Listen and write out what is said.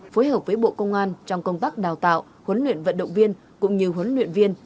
phối hợp với bộ công an trong công tác đào tạo huấn luyện vận động viên cũng như huấn luyện viên